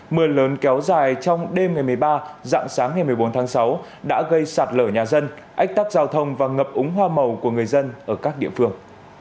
mưa lớn kéo dài trong đêm ngày một mươi ba dạng sáng ngày một mươi bốn tháng sáu đã gây sạt lở nhà dân ách tắc giao thông và ngập úng hoa màu của người dân ở các địa phương